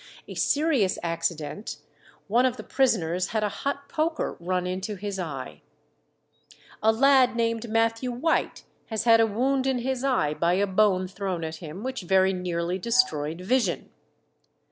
"A serious accident: one of the prisoners had a hot poker run into his eye." "A lad named Matthew White has had a wound in his eye by a bone thrown at him, which very nearly destroyed vision."